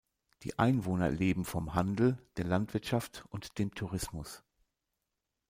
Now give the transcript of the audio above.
Die Einwohner leben vom Handel, der Landwirtschaft und dem Tourismus.